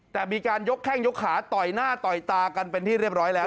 แต่มีการยกแข้งยกขาต่อยหน้าต่อยตากันเป็นที่เรียบร้อยแล้ว